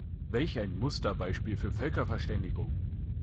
Welch ein Musterbeispiel für Völkerverständigung!